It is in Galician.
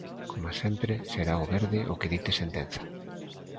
Coma sempre, será o verde o que dite sentenza.